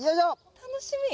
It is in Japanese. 楽しみ。